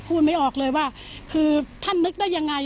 ไม่ออกเลยว่าคือท่านนึกได้ยังไง